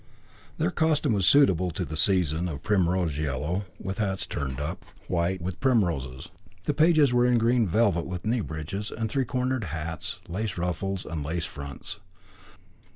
Their costume was suitable to the season, of primrose yellow, with hats turned up, white, with primroses. The pages were in green velvet, with knee breeches and three cornered hats, lace ruffles and lace fronts.